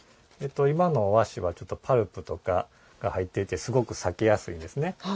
今の和紙はパルプなどが入っていてすごく裂けやすいんですね。